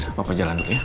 ya papa jalan dulu ya